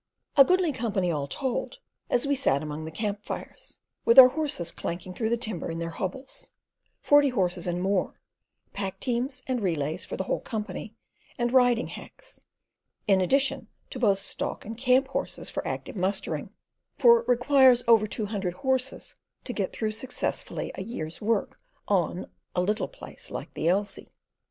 A goodly company all told as we sat among the camp fires, with our horses clanking through the timber in their hobbles: forty horses and more, pack teams and relays for the whole company and riding hacks, in addition to both stock and camp horses for active mustering; for it requires over two hundred horses to get through successfully a year's work on a "little place like the Elsey."